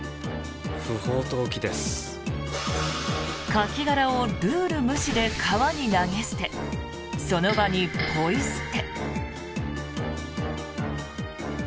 カキ殻をルール無視で川に投げ捨てその場にポイ捨て。